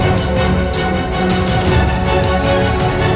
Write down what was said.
akan saya beri kekuatannya convinced